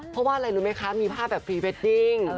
เพราะว่าอะไรรู้ไหมคะมีภาพแบบพรีเวดดิ้ง